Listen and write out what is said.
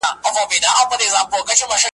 لا به در اوري د غضب غشي .